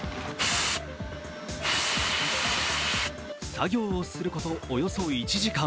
作業をすること、およそ１時間。